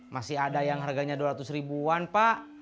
masih ada yang harganya dua ratus ribuan pak